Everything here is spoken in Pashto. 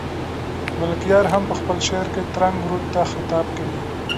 ملکیار هم په خپل شعر کې ترنک رود ته خطاب کوي.